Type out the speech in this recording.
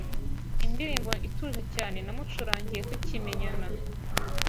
indirimbo ituje cyane namucurangiye tukimenyana